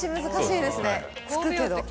つくけど。